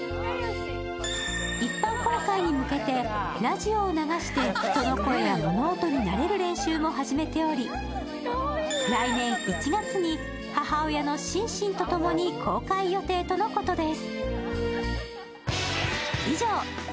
一般公開に向けてラジオを流して人の声や物音に慣れる練習も始めており、来年１月に母親おシンシンと共に公開予定とのことです。